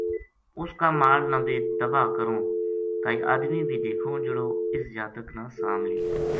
اُس کا مال نا بے تباہ کروں کائے آدمی بے دیکھوں جہیڑو اِس جاتک نا سام لِیے